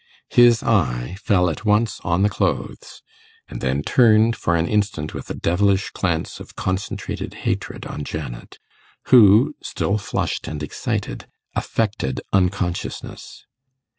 His eye fell at once on the clothes, and then turned for an instant with a devilish glance of concentrated hatred on Janet, who, still flushed and excited, affected unconsciousness.